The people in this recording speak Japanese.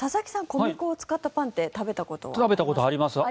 米粉を使ったパンって食べたことありますか？